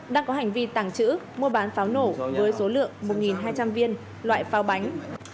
đang có hành vi tảng chữ mua bán pháo nổ với số lượng một hai trăm linh viên loại pháo bánh